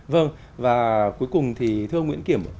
vâng và cuối cùng thì thưa ông nguyễn kiểm